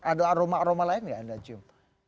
ada aroma aroma lain nggak anda cium